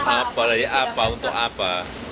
apa dari apa untuk apa